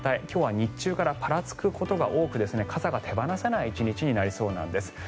今日は日中からぱらつくことが多く傘が手放せない１日になりそうなんです。